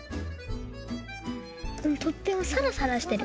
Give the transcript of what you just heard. とってもさらさらしてる。